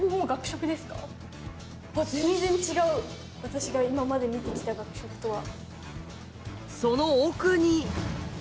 全然違う私が今まで見てきた学食とは。